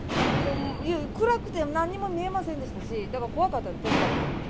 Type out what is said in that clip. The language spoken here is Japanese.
暗くて何も見えませんでしたし、だから怖かったです。